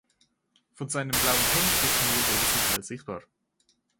Von seinem blauen Hemd ist nur der oberste Teil sichtbar.